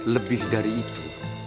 lebih dari itu